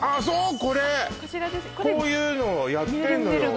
これこういうのをやってんのよ